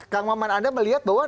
kang maman anda melihat bahwa